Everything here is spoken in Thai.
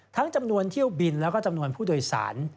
จำนวนเที่ยวบินแล้วก็จำนวนผู้โดยสาร